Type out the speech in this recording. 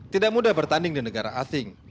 tidak mudah bertanding di negara asing